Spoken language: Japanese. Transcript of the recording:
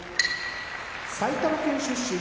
埼玉県出身